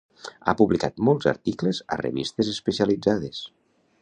Ha publicat molts articles a revistes especialitzades.